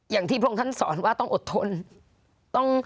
อย่างที่พระองค์ท่านสอนว่าต้องอดทน